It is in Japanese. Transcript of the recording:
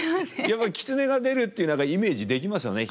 やっぱり狐が出るっていう何かイメージできますよね。